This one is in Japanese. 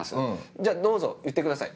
じゃあどうぞ言ってください